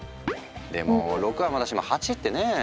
でも６はまだしも８ってねえ？